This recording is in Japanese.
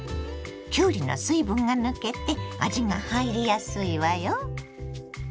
きゅうりの水分が抜けて味が入りやすいわよ。